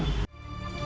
nói chung là